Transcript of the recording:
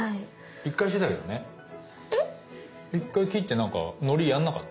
１回切ってなんかのりやんなかった？